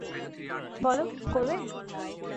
বলো, করবে?